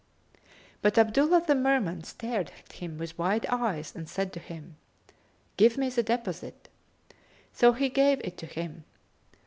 But Abdullah the Merman stared at him with wide eyes and said to him, "Give me the deposit!" So he gave it to him.